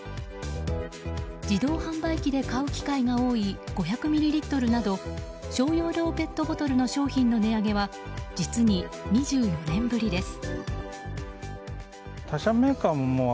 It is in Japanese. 自動販売機で買う機会が多い５００ミリリットルなど小容量ペットボトルの商品の値上げは実に２４年ぶりです。